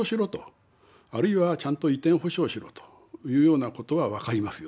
あるいはちゃんと移転補償しろというようなことは分かりますよ